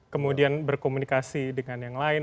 kemudian berkomunikasi dengan yang lain